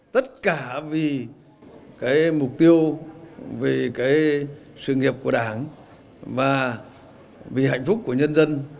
tất cả vì mục tiêu vì sự nghiệp của đảng và vì hạnh phúc của nhân dân